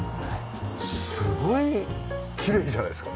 すごいきれいじゃないですか。